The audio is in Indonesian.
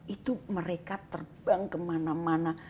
itu mereka terbang kemana mana